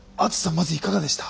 まずいかがでした？